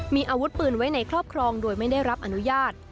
มีอาวุธปืนไว้ในครอบครองโดยไม่ได้รับอนุญาต